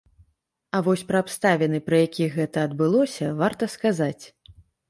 А вось пра абставіны, пры якіх гэта адбылося, варта сказаць.